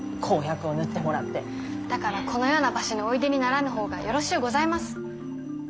だからこのような場所においでにならぬ方がよろしゅうございます。